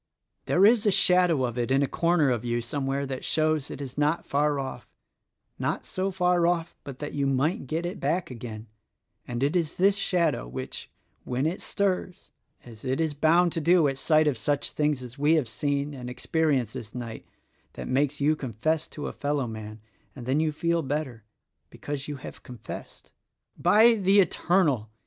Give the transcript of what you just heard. There is a shadow of it in a corner of you somewhere that shows it is not far oft, — not so far off but that you might get it back again ; and it is this shadow, which, when it stirs, — as it is bound to do at sight of such things as we have seen and experienced this night — that makes you confess to a fellowman; and then you feel better — because you have confessed. "By the Eternal!"